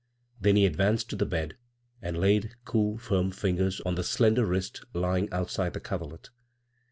Then he advanced to the bed and laid cool firm fingers on the slender wrist lying outside the coverlet.